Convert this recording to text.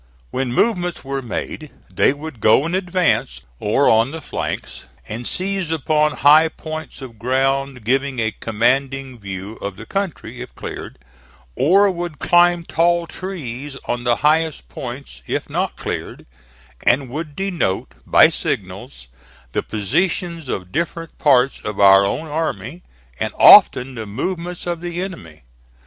When movements were made, they would go in advance, or on the flanks, and seize upon high points of ground giving a commanding view of the country, if cleared, or would climb tall trees on the highest points if not cleared, and would denote, by signals, the positions of different parts of our own army, and often the movements of the enemy.